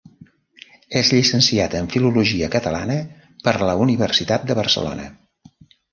És llicenciat en Filologia Catalana per la Universitat de Barcelona.